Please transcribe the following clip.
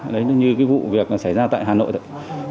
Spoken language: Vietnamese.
đấy như vụ việc xảy ra tại hà nội